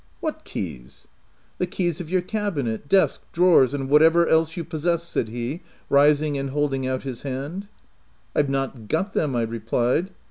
"What keys?" "The keys of your cabinet, desk, drawers, and whatever else you possess," said he, rising and holding out his hand. " Pve not got them/* I replied.